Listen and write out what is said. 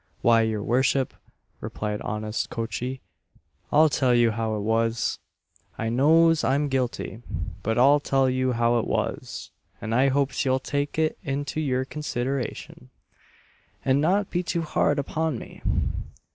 "Why, your worship," replied honest Coachee, "I'll tell you how it was I knows I'm guilty, but I'll tell you how it was, and I hopes you'll take it into your consideration, and not be too hard upon me.